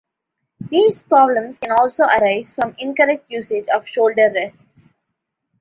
These problems can also arise from incorrect usage of shoulder rests.